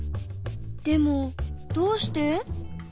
でもどうして？